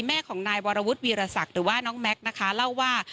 แม่ของนายวรวุฒิวีรศักดิ์หรือว่าน้องแม็กซ์นะคะเล่าว่า